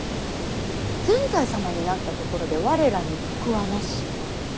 善哉様になったところで我らに得はなし。